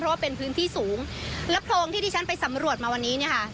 เพราะว่าเป็นพื้นที่สูงแล้วโพรงที่ที่ฉันไปสำรวจมาวันนี้เนี่ยค่ะ